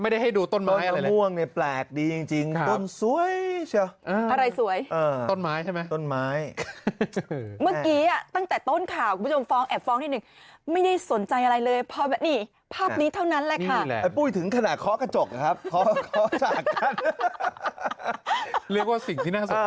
ไม่ได้ให้ดูต้นไม้อะไรแหละต้นแมลงม่วงเนี้ยแปลกดีจริงจริง